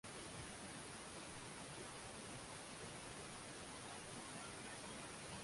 na kuchapishwa katika gazeti la Serikali tarehe mbili Agosti elfu mbili na mbili